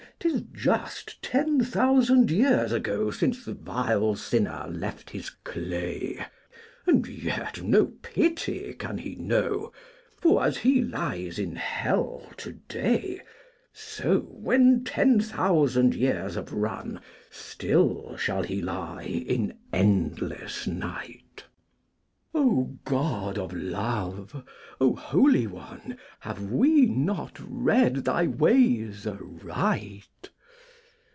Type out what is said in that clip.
'Tis just ten thousand years ago Since the vile sinner left his clay, And yet no pity can he know, For as he lies in hell to day So when ten thousand years have run Still shall he lie in endless night. O God of Love! O Holy One! Have we not read Thy ways aright?